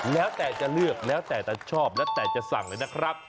แล้วแต่จะเลือกแล้วแต่จะชอบแล้วแต่จะสั่งเลยนะครับ